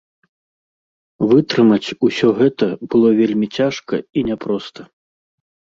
Вытрымаць усё гэта было вельмі цяжка і няпроста.